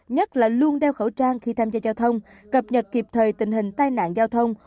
nhất là luôn đeo khẩu trang khi tham gia giao thông cập nhật kịp thời tình hình tai nạn giao thông